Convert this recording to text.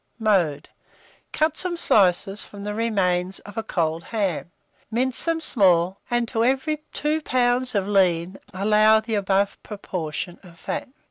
Mode. Cut some slices from the remains of a cold ham, mince them small, and to every 2 lbs. of lean, allow the above proportion of fat.